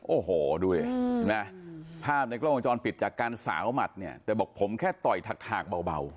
โอ้โหดูดิเห็นไหมภาพในกล้องวงจรปิดจากการสาวหมัดเนี่ยแต่บอกผมแค่ต่อยถากเบา